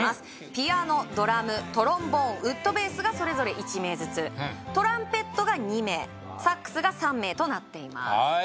ピアノ・ドラム・トロンボーン・ウッドベースがそれぞれ１名ずつトランペットが２名サックスが３名となっています